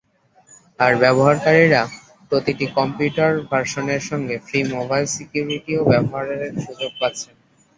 আর ব্যবহারকারীরা প্রতিটি কম্পিউটার ভার্সনের সঙ্গে ফ্রি মোবাইল সিকিউরিটিও ব্যবহারের সুযোগ পাচ্ছেন।